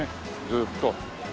ずっと。